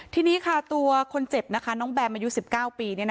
ทีนี้ค่ะตัวคนเจ็บนะคะน้องแบมอายุ๑๙ปี